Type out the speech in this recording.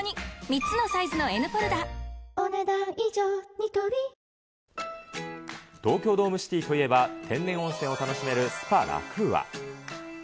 ニトリ東京ドームシティといえば、天然温泉を楽しめるスパラクーア。